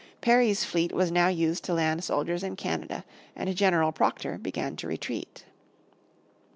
Perry's fleet was now used to land soldiers in Canada and General Proctor began to retreat.